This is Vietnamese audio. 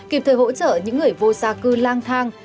kịp thời hỗ trợ những người vô gia cư lang thang